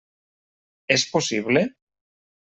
És possible?